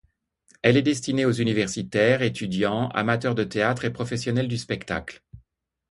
Elle est destinée aux universitaires, étudiants, amateurs de théâtre et professionnels du spectacle.